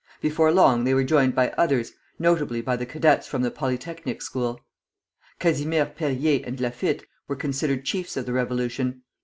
Before long they were joined by others, notably by the cadets from the Polytechnic School. Casimir Perrier and Laffitte were considered chiefs of the revolution.